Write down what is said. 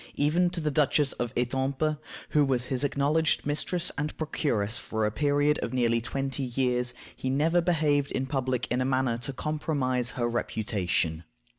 Even to the Duchess of Etampes, who was his acknowledged mistress and procuress for a period of nearly twenty years, he never behaved in public in a manner to compromise her reputation.